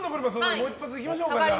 もう一発いきましょうか。